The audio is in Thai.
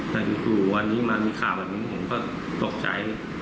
แต่อยู่วันนี้มามีข่าวแบบนี้ผมก็ตกใจ